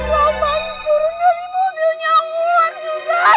bisa roman turun dari mobilnya wulan susan